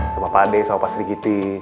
sama pak ade sama pak sri giti